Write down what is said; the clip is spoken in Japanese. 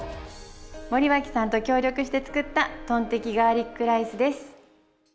森脇さんと協力して作ったトンテキガーリックライスです。